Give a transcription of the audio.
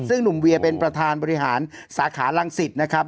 ซึ่งหนุ่มเวียเป็นประธานบริหารสาขาลังศิษย์นะครับ